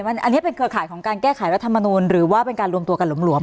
อันนี้เป็นเครือข่ายของการแก้ไขรัฐมนูลหรือว่าเป็นการรวมตัวกันหลวม